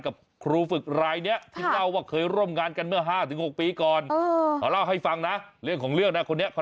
กับคุณผู้ฝึกลายเนี่ย